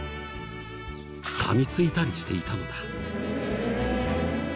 噛みついたりしていたのだ。